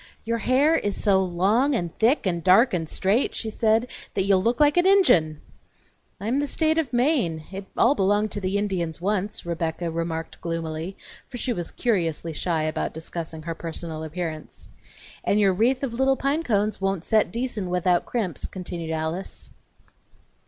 "Your hair is so long and thick and dark and straight," she said, "that you'll look like an Injun!" "I am the State of Maine; it all belonged to the Indians once," Rebecca remarked gloomily, for she was curiously shy about discussing her personal appearance. "And your wreath of little pine cones won't set decent without crimps," continued Alice.